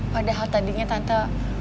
padahal tadinya tante